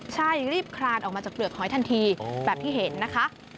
ใช่รีบคลานออกมาจากเปลือกหอยทันทีแบบที่เห็นนะคะ